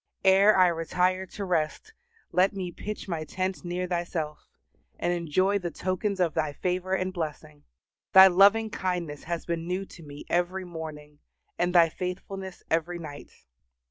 Ere I retire to rest, let me pitch my tent near Thyself, and enjoy the tokens of Thy favor and blessing. Thy loving kindness has been new to me every morning, and Thy faithfulness every night.